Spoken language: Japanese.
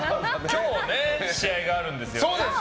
今日、試合があるんですよね。